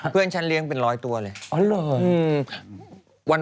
เพื่อนฉันเลี้ยงเป็นร้อยตัวเลย